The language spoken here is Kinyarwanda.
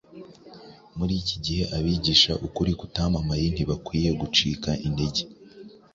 Muri iki gihe, abigisha ukuri kutamamaye ntibakwiriye gucika intege,